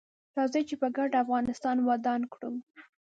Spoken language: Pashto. راځي چې په ګډه افغانستان ودان کړو